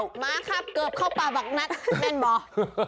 หมาข้าบเกาบเข้าป่าบักนัทแน่นบ่